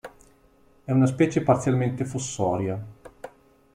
È una specie parzialmente fossoria.